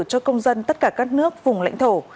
cho công dân tất cả các nước vùng lãnh thổ